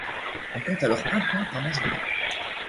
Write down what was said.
On compte alors un point par manche gagnée.